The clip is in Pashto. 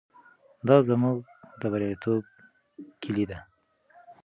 دا زموږ د بریالیتوب کیلي ده.